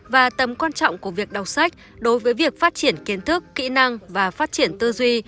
và tầm quan trọng của việc đọc sách đối với việc phát triển kiến thức kỹ năng và phát triển tư duy